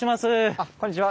あっこんにちは。